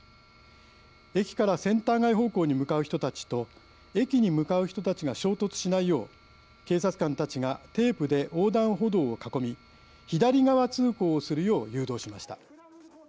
駅からセンター街方向に向かう人たちと駅に向かう人たちが衝突しないよう、警察官たちがテープで横断歩道を囲み左側通行をするよう誘導しました。